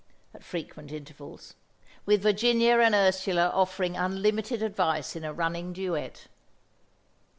at frequent intervals; with Virginia and Ursula offering unlimited advice in a running duet.